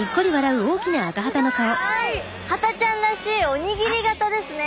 ハタちゃんらしいおにぎり型ですね。